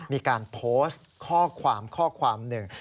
มีการโพสต์ข้อความข้อความหนึ่ง